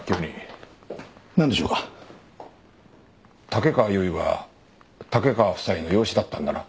竹川由衣は竹川夫妻の養子だったんだな。